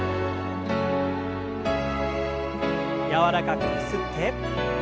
柔らかくゆすって。